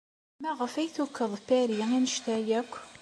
Maɣef ay tukeḍ Paris anect-a akk?